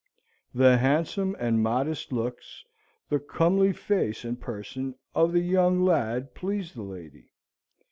The handsome and modest looks, the comely face and person, of the young lad pleased the lady.